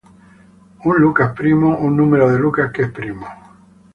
Un Lucas primo un número de Lucas que es primo.